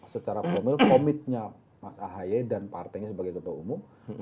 secara formil komitnya mas ahaye dan partainya sebagai ketua umum